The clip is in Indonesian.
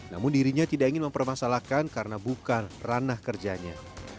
namun dirinya tidak ingin mempermasalahkan karena bukan ranah kerjanya